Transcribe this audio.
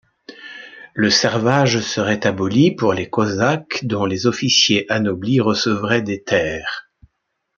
Le servage serait aboli pour les Cosaques dont les officiers anoblis recevraient des terres.